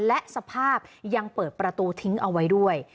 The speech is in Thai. และสภาพยังเปิดประตูทิ้งเอาไว้ด้วย